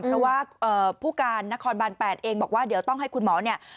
เพราะว่าผู้การนครบาน๘เองบอกว่าเดี๋ยวต้องให้คุณหมอเนี่ย